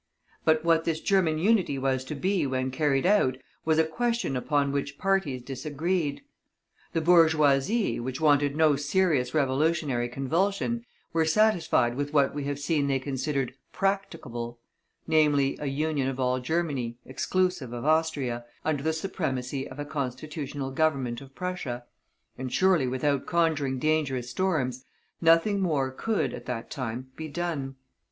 But what this German unity was to be when carried out was a question upon which parties disagreed. The bourgeoisie, which wanted no serious revolutionary convulsion, were satisfied with what we have seen they considered "practicable," namely a union of all Germany, exclusive of Austria, under the supremacy of a Constitutional Government of Prussia; and surely, without conjuring dangerous storms, nothing more could, at that time, be done.